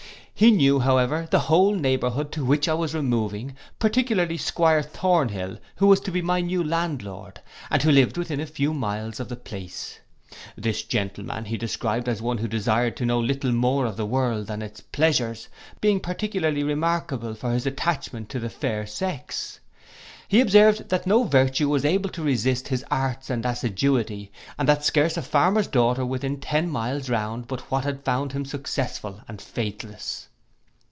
He knew, however, the whole neighbourhood to which I was removing, particularly 'Squire Thornhill, who was to be my landlord, and who lived within a few miles of the place. This gentleman he described as one who desired to know little more of the world than its pleasures, being particularly remarkable for his attachment to the fair sex. He observed that no virtue was able to resist his arts and assiduity, and that scarce a farmer's daughter within ten miles round but what had found him successful and faithless.